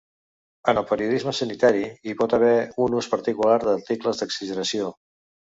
En el periodisme sanitari hi pot haver un ús particular d'articles d'exageració.